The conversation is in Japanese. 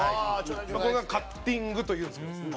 これがカッティングというんですけど。